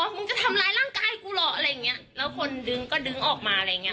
มึงจะทำร้ายร่างกายกูเหรออะไรอย่างเงี้ยแล้วคนดึงก็ดึงออกมาอะไรอย่างเงี้